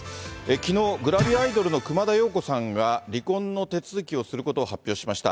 きのう、グラビアアイドルの熊田曜子さんが、離婚の手続きをすることを発表しました。